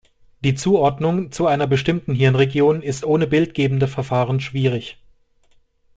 Die Zuordnung zu einer bestimmten Hirnregion ist ohne bildgebende Verfahren schwierig.